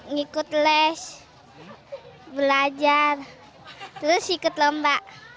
ngikut les belajar terus ikut lomba